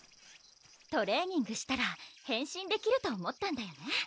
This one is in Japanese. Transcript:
トレーニングしたら変身できると思ったんだよね？